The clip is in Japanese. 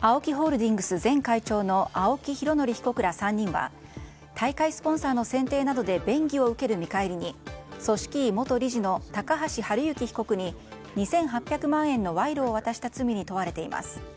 ＡＯＫＩホールディングス前会長の青木拡憲被告ら３人は大会スポンサーの選定などで便宜を図る見返りに組織委元理事の高橋治之被告に２８００万円の賄賂を渡した罪に問われています。